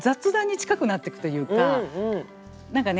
何かね